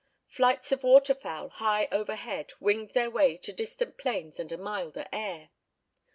Flights of water fowl high overhead winged their way to distant plains and a milder air.